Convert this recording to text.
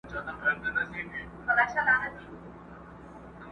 د سومنات او پاني پټ او میوندونو کیسې!